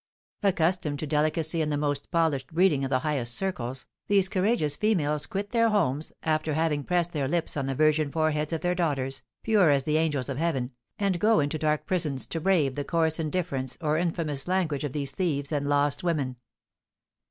Accustomed to delicacy and the most polished breeding of the highest circles, these courageous females quit their homes, after having pressed their lips on the virgin foreheads of their daughters, pure as the angels of heaven, and go into dark prisons to brave the coarse indifference or infamous language of these thieves and lost women.